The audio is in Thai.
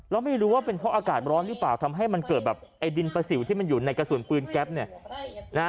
แล้วไม่รู้ว่าเป็นเพราะอากาศร้อนหรือเปล่าทำให้มันเกิดแบบไอ้ดินประสิวที่มันอยู่ในกระสุนปืนแก๊ปเนี่ย